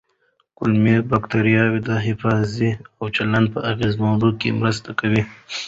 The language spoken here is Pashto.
کولمو بکتریاوې د حافظې او چلند په اغېزمنولو کې مرسته کوي.